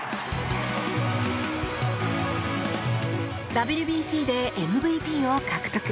ＷＢＣでＭＶＰを獲得。